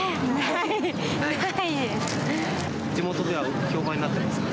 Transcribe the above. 地元では評判になってますか？